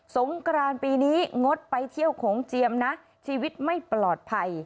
งกรานปีนี้งดไปเที่ยวโขงเจียมนะชีวิตไม่ปลอดภัย